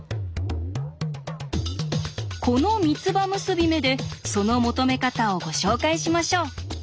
この三つ葉結び目でその求め方をご紹介しましょう。